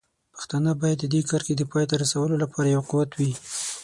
پښتانه باید د دې کرښې د پای ته رسولو لپاره یو قوت وي.